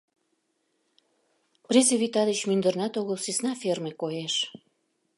Презе вӱта деч мӱндырнат огыл сӧсна ферме коеш.